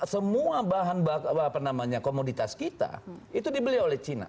semua bahan apa namanya komoditas kita itu dibeli oleh cina